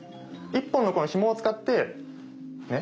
１本のこのひもを使ってね